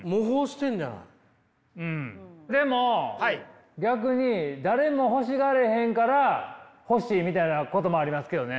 でも逆に誰も欲しがれへんから欲しいみたいなこともありますけどね。